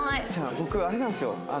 僕あれなんですよ。